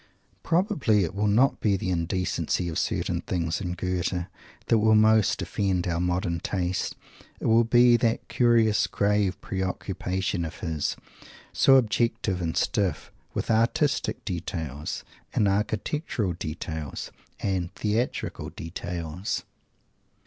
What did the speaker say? Probably it will not be the "indecency" of certain things in Goethe that will most offend our modern taste; it will be that curious, grave pre occupation of his, so objective and stiff, with artistic details, and architectural details, and theatrical details!